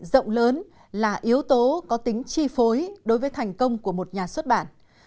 rộng lớn là yếu tố có tính chi phối đối với thành công của một nhà xuất bản